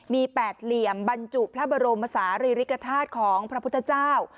มี๘เหลี่ยมบรรจุพระบรมศาสตร์ริริกฐาศของพระพุทธเจ้า